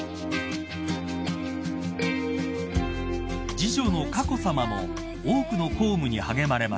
［次女の佳子さまも多くの公務に励まれました］